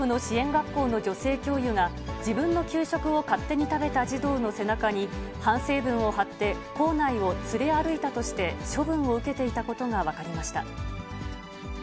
学校の女性教諭が、自分の給食を勝手に食べた児童の背中に、反省文を貼って、校内を連れ歩いたとして処分を受けていたことが分かりました。